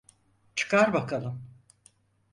Çıkar bakalım.